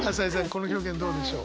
この表現どうでしょう。